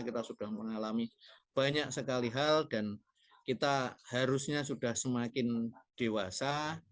kita sudah mengalami banyak sekali hal dan kita harusnya sudah semakin dewasa